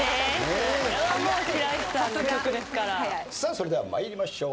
それでは参りましょう。